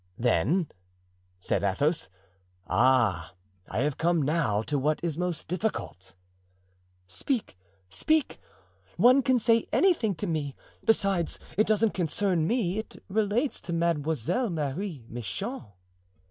"Then?" said Athos. "Ah, I have come now to what is most difficult." "Speak, speak! One can say anything to me. Besides, it doesn't concern me; it relates to Mademoiselle Marie Michon."